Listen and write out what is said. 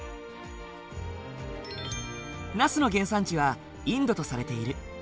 ナスの原産地はインドとされている。